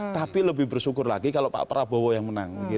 tapi lebih bersyukur lagi kalau pak prabowo yang menang